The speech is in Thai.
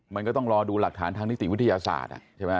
มันก็ต้องรอดูหลักฐานทางนิติวิทยาศาสตร์ใช่ไหม